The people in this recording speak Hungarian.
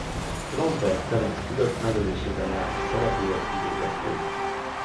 Lamberg Ferenc Fülöp megölésében játszott szerepéért kivégezték.